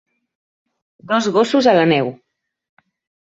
Dos gossos a la neu.